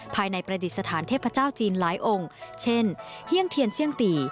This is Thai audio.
ภายในประดิษฐานเทพเจ้าจีนหลายองค์เช่นเฮี่ยงเทียนเซี่ยงตี